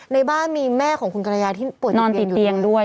ในบ้านมีแม่ของคุณกรยายที่ปวดติดเบียงอยู่ด้วย